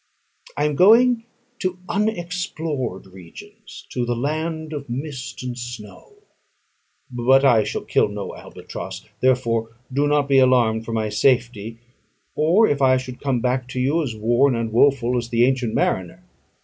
I am going to unexplored regions, to "the land of mist and snow"; but I shall kill no albatross, therefore do not be alarmed for my safety, or if I should come back to you as worn and woful as the "Ancient Mariner"?